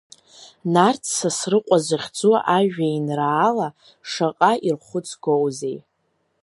Нарҭ Сасрыҟәа захьӡу ажәеинраала шаҟа ирхәыцгоузеи…